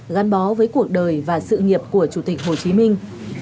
gắn bó với cuộc đời và sự nghiệp của chủ tịch hồ chí minh